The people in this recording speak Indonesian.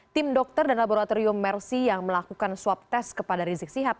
tim dokter dan laboratorium mersi yang melakukan swab test kepada rizik sihab